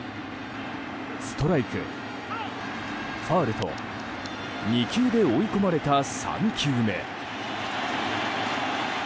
ストライク、ファウルと２球で追い込まれた３球目。